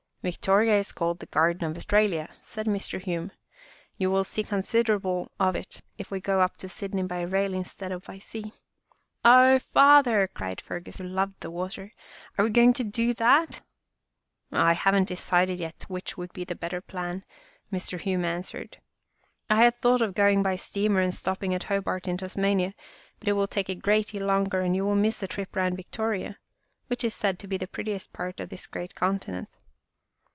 " Victoria is called the Garden of Australia," said Mr. Hume. " You will see considerable of it if we go up to Sydney by rail instead of by sea. " Oh, Father! " cried Fergus, who loved the water, " are we going to do that? "" I haven't decided yet which would be the better plan," Mr. Hume answered. " I had thought of going by steamer and stopping at Hobart in Tasmania, but it will take a great deal longer and you will miss the trip through Vic toria, which is said to be the prettiest part of this great continent."